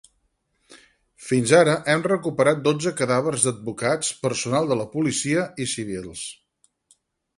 Fins ara hem recuperat dotze cadàvers d’advocats, personal de la policia i civils.